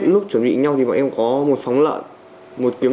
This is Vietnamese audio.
lúc chuẩn bị nhau thì mọi em có một phóng lợn